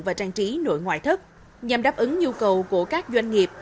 và trang trí nội ngoại thất nhằm đáp ứng nhu cầu của các doanh nghiệp